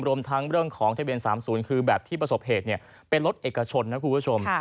รวมทั้งเรื่องของทะเบียน๓๐คือแบบที่ประสบเหตุเป็นรถเอกชนนะคุณผู้ชม